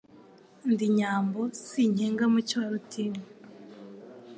Ndi Nyambo sinkengaMucyo wa Rutinywa